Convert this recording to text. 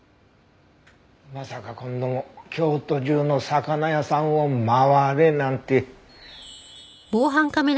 まさか今度も京都中の魚屋さんを回れなんて。